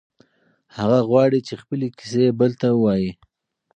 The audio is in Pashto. هغه غواړي چې خپلې کیسې بل ته ووایي.